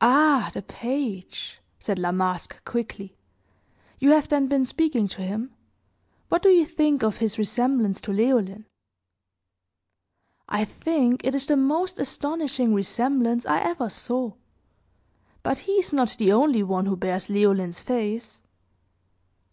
"Ah, the page!" said La Masque, quickly. "You have then been speaking to him? What do you think of his resemblance to Leoline?" "I think it is the most astonishing resemblance I ever saw. But he is not the only one who bears Leoline's face."